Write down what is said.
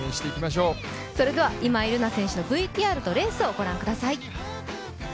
それでは、今井月選手のＶＴＲとレースをご覧ください。